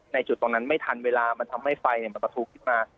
จุดตรงนั้นไม่ทันเวลามันทำให้ไฟมันประทุขึ้นมา